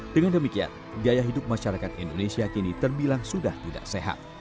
dengan demikian gaya hidup masyarakat indonesia kini terbilang sudah tidak sehat